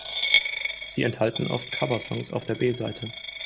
Sie enthalten oft Coversongs auf der B-Seite.